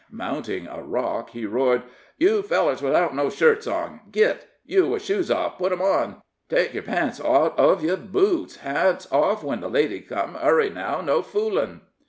Mounting a rock, he roared: "You fellers without no sherts on, git. You with shoes off, put 'em on. Take your pants out uv yer boots. Hats off when the lady comes. Hurry up, now no foolin'."